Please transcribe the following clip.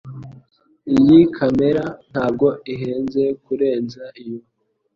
Iyi kamera ntabwo ihenze kurenza iyo